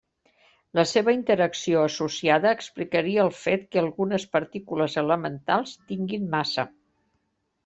La seva interacció associada explicaria el fet que algunes partícules elementals tinguin massa.